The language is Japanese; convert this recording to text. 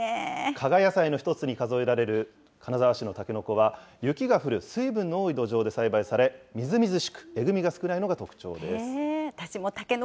加賀野菜の一つに数えられる金沢市のたけのこは、雪が降る水分の多い土壌で栽培され、みずみずしく、えぐみが少ないのが特徴です。